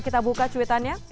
kita buka cuitannya